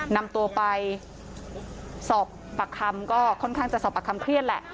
นำตัวไปสอบปากคำก็ค่อนข้างจะสอบปากคำเครียดแหละ